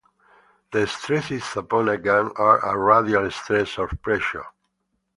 The stresses upon a gun are a radial stress or pressure.